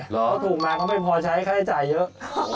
แล้วถูกมาเค้าไม่พอใช้ค่าให้จ่ายเยอะ